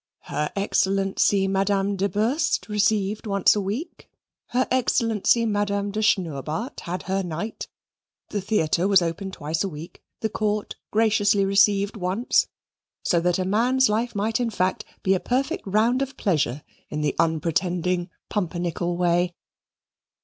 H. E. Madame de Burst received once a week, H. E. Madame de Schnurrbart had her night the theatre was open twice a week, the Court graciously received once, so that a man's life might in fact be a perfect round of pleasure in the unpretending Pumpernickel way.